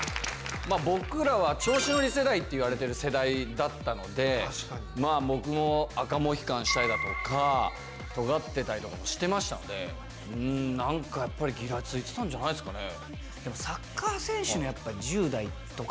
僕らは調子乗り世代って言われてる世代だったので僕も赤モヒカンしたりだとかとがってたりとかもしてましたんで何かやっぱりギラついてたんじゃないですかね。